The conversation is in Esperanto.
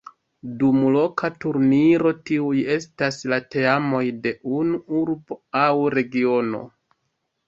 Dum loka turniro tiuj estas la teamoj de unu urbo aŭ regiono.